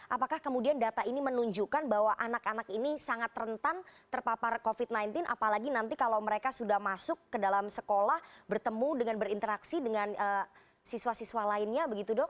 apakah kemudian data ini menunjukkan bahwa anak anak ini sangat rentan terpapar covid sembilan belas apalagi nanti kalau mereka sudah masuk ke dalam sekolah bertemu dengan berinteraksi dengan siswa siswa lainnya begitu dok